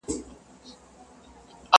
هري خواته چي مو مخ به سو خپل کور وو؛